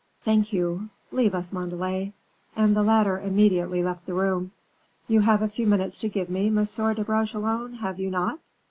"Thank you; leave us, Montalais," and the latter immediately left the room. "You have a few minutes to give me, Monsieur de Bragelonne, have you not?"